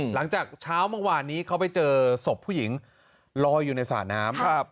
หลังจากเช้าเมื่อวานนี้เขาไปเจอศพผู้หญิงลอยอยู่ในสระน้ำ